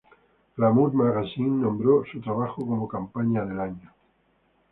Glamour Magazine nombró su trabajo como campaña del año.